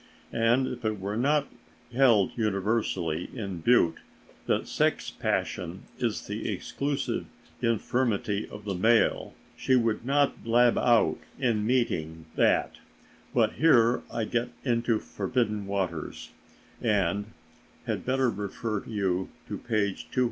And if it were not held universally in Butte that sex passion is the exclusive infirmity of the male, she would not blab out in meeting that—but here I get into forbidden waters and had better refer you to page 209.